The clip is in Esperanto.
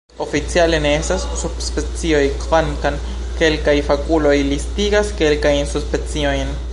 Oficiale, ne estas subspecioj, kvankam kelkaj fakuloj listigas kelkajn subspeciojn.